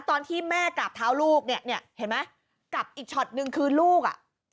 ตอนที่แม่กราบเท้าลูกเนี่ยเนี่ยเห็นไหมกับอีกช็อตนึงคือลูกอ่ะ